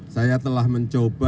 saya telah mencoba